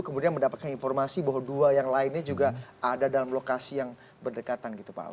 kemudian mendapatkan informasi bahwa dua yang lainnya juga ada dalam lokasi yang berdekatan gitu pak